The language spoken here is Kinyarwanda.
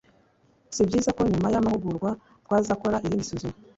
Si byiza ko nyuma y'amahugurwa twazakora irindi suzuma